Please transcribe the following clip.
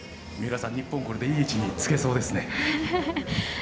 三浦さん、日本はこれでいい位置につけそうですね。